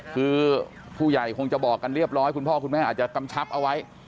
คือผู้ใหญ่คงจะบอกกันเรียบร้อยคุณพ่อคุณแม่อาจจะกำชับเอาไว้